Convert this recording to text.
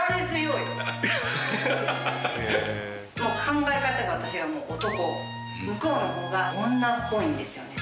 考え方が私が男向こうの方が女っぽいんですよね。